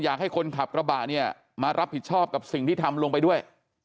อยากให้คนขับกระบะเนี่ยมารับผิดชอบกับสิ่งที่ทำลงไปด้วย